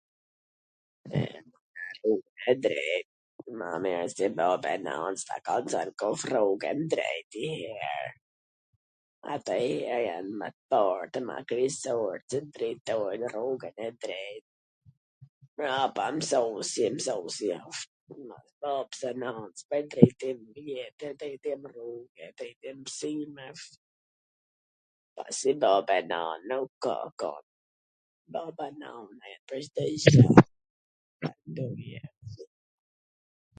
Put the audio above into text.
E, e drejt, ma mir se baba e nana s ta kallzon kush rrugwn ... drejt... ata jiher jan ma t fort e ma kryesort qw t drejtojn nw rrugwn e drejt ... mrapa msusi, msusi asht... t drejton m rrug, e me msime... po si bab e nan nuk ka kun... baba e nana pwr Cdo gja ....